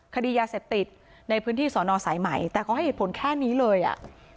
คดียาเสพติดในพื้นที่สอนอสายใหม่แต่เขาให้เหตุผลแค่นี้เลยอ่ะ